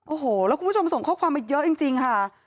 โอ้โหแล้วคุณผู้ชมส่งข้อความมาเยอะจริงค่ะ